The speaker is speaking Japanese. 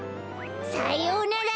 さようなら！